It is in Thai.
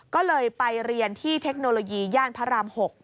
ก็เลยไปเรียนที่เทคโนโลยีย่านพระราม๖